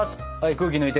空気抜いて。